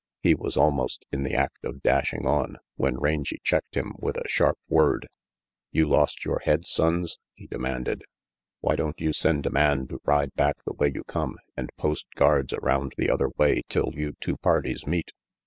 He was almost in the act of dashing on when Rangy checked him with a sharp word. "You lost your head, Sonnes?" he demanded. "Why don't you send a man to ride back the way you come, and post guards around the other way till you two parties meet?"